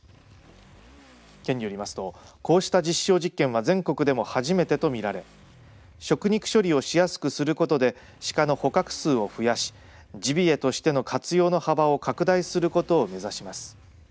県によりますとこうした実証実験は全国でも初めてと見られ食肉処理をしやすくすることでシカの捕獲数を増やしジビエとしての活用の幅を拡大することを目指します。